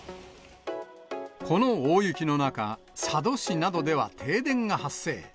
この大雪の中、佐渡市などでは停電が発生。